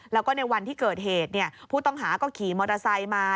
แล้วก็ในวันที่เกิดเหตุผู้ต้องหาก็ขี่มอเตอร์ไซค์มา